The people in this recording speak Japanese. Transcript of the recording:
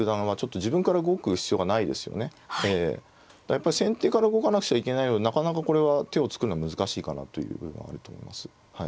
やっぱり先手から動かなくちゃいけないのになかなかこれは手を作るのは難しいかなという部分はあると思います。